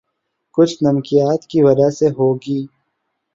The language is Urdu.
کچھ نمکیات کی وجہ سے ہوگی